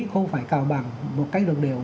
không phải cao bằng một cách được đều